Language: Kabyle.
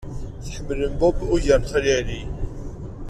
Tḥemmlem Bob ugar n Xali Ɛli.